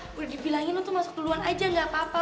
udah dibilangin tuh masuk duluan aja gak apa apa